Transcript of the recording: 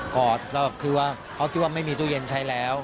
อดแล้วคือว่าเขาคิดว่าไม่มีตู้เย็นใช้แล้ว